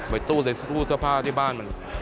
ไว้ตู้เสื้อผ้าที่บ้าน